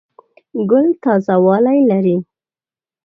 ګل تازه والی لري.